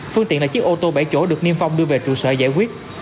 phương tiện là chiếc ô tô bảy chỗ được niêm phong đưa về trụ sở giải quyết